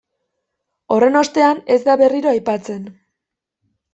Horren ostean, ez da berriro aipatzen.